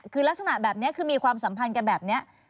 คือลักษณะแบบนี้คือมีความสัมพันธ์กันแบบนี้